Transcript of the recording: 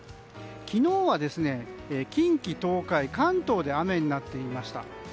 昨日は近畿、東海関東で雨になっていました。